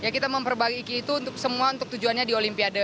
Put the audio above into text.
kita memperbagi itu semua untuk tujuannya di olimpiade